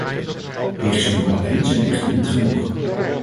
Richtsnoeren alleen zijn echter niet genoeg.